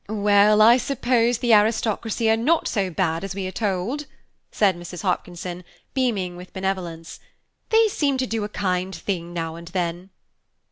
"Well, I suppose the aristocracy are not so bad as we are told, " said Mrs. Hopkinson, beaming with benevolence. "They seem to do a kind thing now and then."